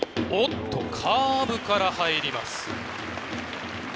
おっと、カーブから入ります。